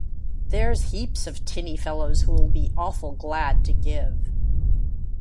There's heaps of tinny fellows who'll be awful glad to give.